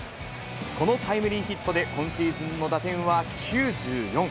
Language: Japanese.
このタイムリーヒットで、今シーズンの打点は９４。